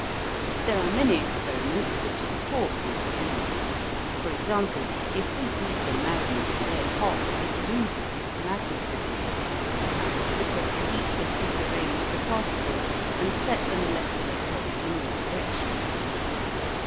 There are many experiments which support this view. For example, if we heat a magnet red hot it loses its magnetism, perhaps because the heat has disarranged the particles and set the molecular poles in all directions.